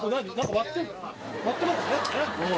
割ってますね